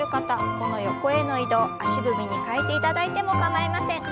この横への移動足踏みに変えていただいても構いません。